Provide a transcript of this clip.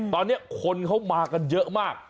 ตอนนี้คนเขามากันเยอะมาก